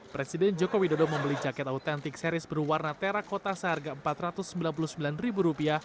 presiden joko widodo membeli jaket autentik series berwarna tera kota seharga rp empat ratus sembilan puluh sembilan